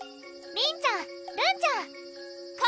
りんちゃんるんちゃん